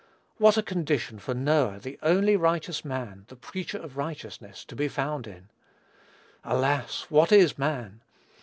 What a condition for Noah, the only righteous man, the preacher of righteousness, to be found in! Alas! what is man?